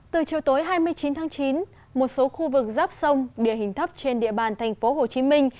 từ chiều tối hai mươi chín tháng chín một số khu vực giáp sông địa hình thấp trên địa bàn thành phố hồ chí minh